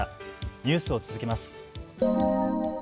ニュースを続けます。